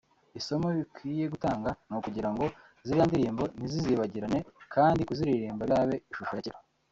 Isomo bikwiye gutanga ni ukugira ngo ziriya ndirimbo ntizizibagirane kandi kuziririmba bizana ishusho ya kera